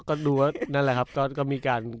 ก็ดูอ๋วนะแหละครับ